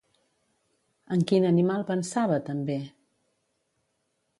En quin animal pensava també?